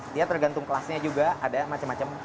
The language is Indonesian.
ada bentuk kelasnya juga ada macem macem